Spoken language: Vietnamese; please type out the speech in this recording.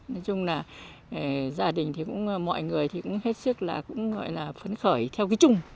nói chung là gia đình thì cũng mọi người thì cũng hết sức là cũng gọi là phấn khởi theo cái chung